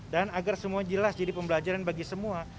dan agar semua jelas jadi pembelajaran bagi semua